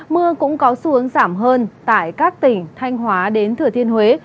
mưa cũng có xu hướng giảm hơn tại các tỉnh thanh hóa đến thừa thiên huế